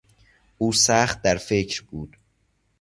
او سخت در فکر بود.